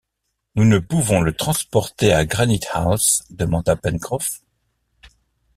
Nous ne pouvons le transporter à Granite-house demanda Pencroff